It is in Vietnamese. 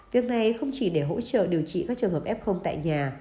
việc này không chỉ để hỗ trợ điều trị các trường hợp f tại nhà